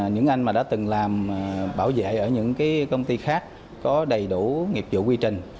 những anh mà đã từng làm bảo vệ ở những công ty khác có đầy đủ nghiệp vụ quy trình